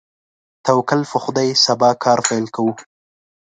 توکل په خدای، سبا کار پیل کوو.